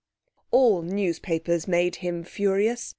All newspapers made him furious.